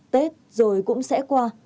tết rồi cũng sẽ qua